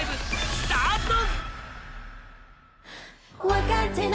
スタート！